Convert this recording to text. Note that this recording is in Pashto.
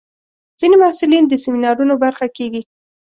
ځینې محصلین د سیمینارونو برخه کېږي.